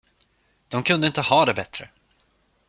De kunde inte ha det bättre.